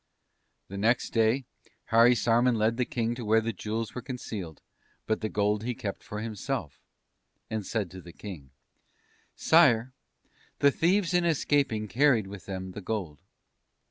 "The next day Harisarman led the King to where the jewels were concealed, but the gold he kept for himself, and said to the King: "'Sire, the thieves in escaping carried with them the gold.'